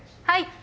はい。